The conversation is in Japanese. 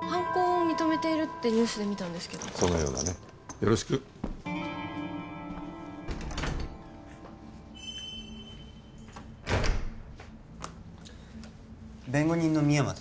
犯行を認めているとニュースでそのようだねよろしく弁護人の深山です